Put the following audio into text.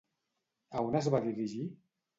A on es va dirigir?